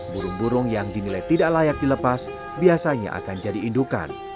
burung burung yang dinilai tidak layak dilepas biasanya akan jadi indukan